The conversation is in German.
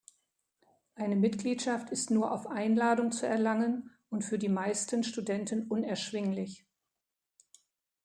Eine Mitgliedschaft ist nur auf Einladung zu erlangen und für die meisten Studenten unerschwinglich.